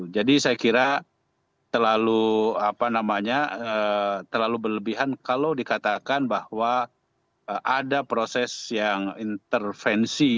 jadi saya kira terlalu berlebihan kalau dikatakan bahwa ada proses yang intervensi